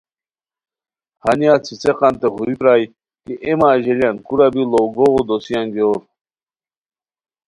ہانیہ څیڅیقانتے ہوئی پرانی کی اے مہ اژیلیان کورا بی ڑو گوغو دوسی انگیور